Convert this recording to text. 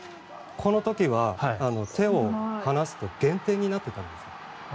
この時は手を離すと減点になってたんです。